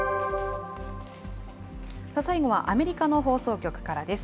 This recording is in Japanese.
最後はアメリカの放送局からです。